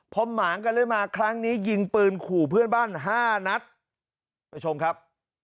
พอหมางกันเรื่อยมาครั้งนี้ยิงปืนขู่เพื่อนบ้านห้านัดไปชมครับ